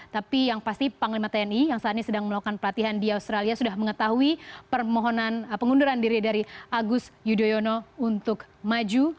tapi yang pasti panglima tni yang saat ini sedang melakukan pelatihan di australia sudah mengetahui permohonan pengunduran diri dari agus yudhoyono untuk maju